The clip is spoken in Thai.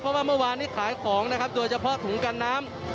เพราะว่าเมื่อวานนี้ขายของนะครับโดยเฉพาะถุงกันน้ำ